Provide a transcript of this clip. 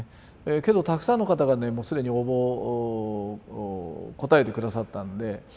けどたくさんの方がねもう既に応募応えて下さったんで。